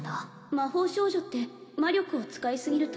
魔法少女って魔力を使いすぎると